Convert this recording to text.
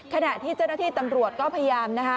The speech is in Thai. ขณะที่เจ้าหน้าที่ตำรวจก็พยายามนะคะ